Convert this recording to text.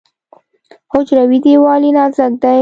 حجروي دیوال یې نازک دی.